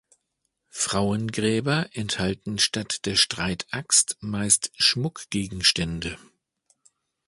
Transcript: Frauengräber enthalten statt der Streitaxt meist Schmuckgegenstände.